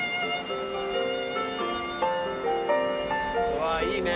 うわいいね。